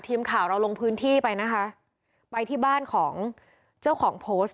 ทีมข่าวเราลงพื้นที่ไปนะคะไปที่บ้านของเจ้าของโพสต์